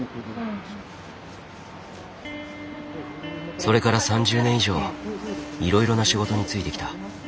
それから３０年以上いろいろな仕事に就いてきた。